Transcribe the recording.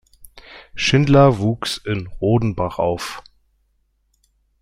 Schindler wuchs in Rodenbach auf.